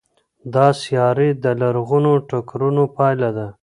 دا سیارې د لرغونو ټکرونو پایله ده.